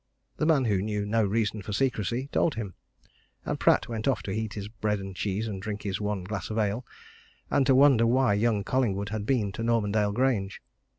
The man, who knew no reason for secrecy, told him and Pratt went off to eat his bread and cheese and drink his one glass of ale and to wonder why young Collingwood had been to Normandale Grange.